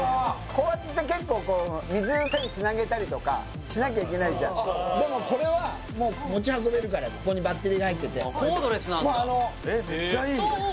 高圧って結構こう水栓つなげたりとかしなきゃいけないじゃんでもこれはもうここにバッテリーが入っててえっめっちゃいい！